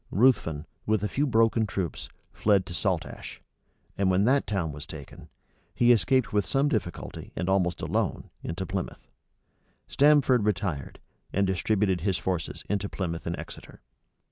Ruthven, with a few broken troops, fled to Saltash; and when that town was taken, he escaped with some difficulty, and almost alone, into Plymouth. Stamford retired, and distributed his forces into Plymouth and Exeter.